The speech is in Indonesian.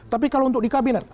tapi kalau untuk di kabinet